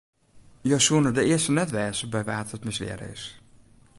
Jo soene de earste net wêze by wa't it mislearre is.